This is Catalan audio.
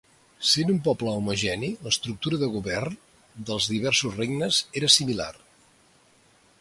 Sent un poble homogeni l'estructura de govern dels diversos regnes era similar.